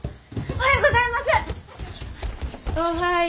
おはよう。